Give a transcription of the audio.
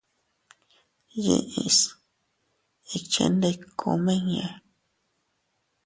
Yiʼis ikchendiku miña.